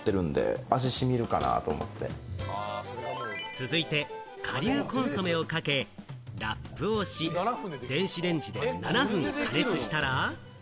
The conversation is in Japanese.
続いて顆粒コンソメをかけ、ラップをし、電子レンジで７分加熱したら。